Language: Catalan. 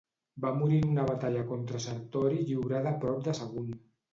Va morir en una batalla contra Sertori lliurada prop de Sagunt.